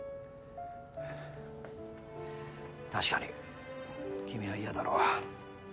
確かに君は嫌だろう。